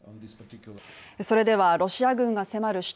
それではロシア軍が迫る